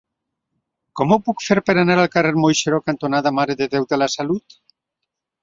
Com ho puc fer per anar al carrer Moixeró cantonada Mare de Déu de la Salut?